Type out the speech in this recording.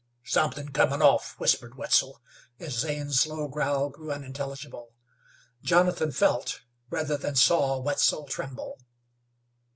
"Somethin' comin' off," whispered Wetzel, as Zane's low growl grew unintelligible. Jonathan felt, rather than saw, Wetzel tremble.